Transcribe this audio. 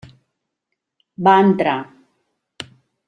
Va entrar.